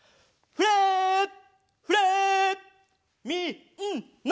フレッフレッみんな！